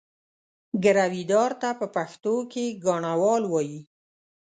ګرويدار ته په پښتو کې ګاڼهوال وایي.